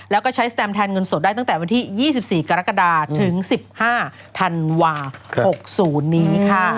แล้วก็ใช้สแตมแทนเงินสดได้ตั้งแต่วันที่๒๔กรกฎาถึง๑๕ธันวา๖๐นี้ค่ะ